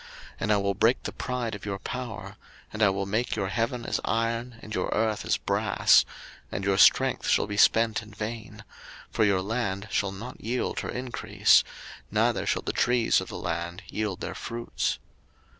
03:026:019 And I will break the pride of your power; and I will make your heaven as iron, and your earth as brass: 03:026:020 And your strength shall be spent in vain: for your land shall not yield her increase, neither shall the trees of the land yield their fruits.